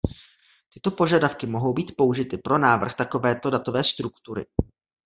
Tyto požadavky mohou být použity pro návrh takovéto datové struktury.